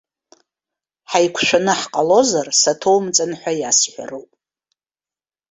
Ҳаиқәшәаны ҳҟалозар, саҭоумҵан ҳәа иасҳәароуп.